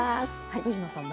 藤野さん